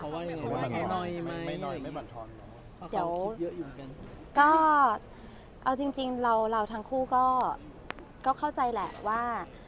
ไม่น้อยไม่หน่อยก็เอาจริงจริงเราทั้งคู่ก็เข้าใจแหล่ะว่า